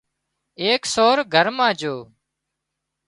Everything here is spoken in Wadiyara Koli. ايڪ سور گھر مان جھو